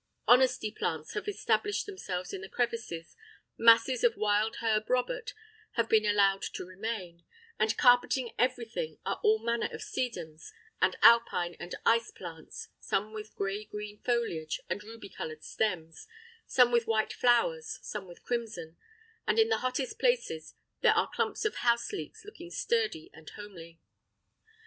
Honesty plants have established themselves in the crevices; masses of wild Herb Robert have been allowed to remain; and carpeting everything are all manner of sedums, and Alpine and ice plants, some with grey green foliage and ruby coloured stems, some with white flowers, some with crimson; and in the hottest places there are clumps of houseleeks looking sturdy and homely.